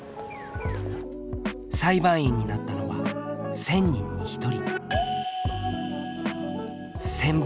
裁判員になったのは１０００人に１人。